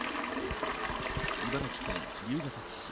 茨城県龍ケ崎市。